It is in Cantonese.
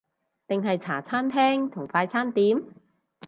定係茶餐廳同快餐店？